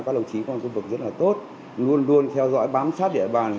các đồng chí trong dân vực rất là tốt luôn luôn theo dõi bám sát địa bàn